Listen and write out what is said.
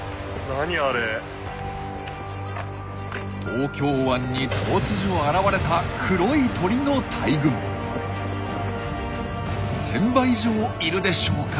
東京湾に突如現れた１，０００羽以上いるでしょうか。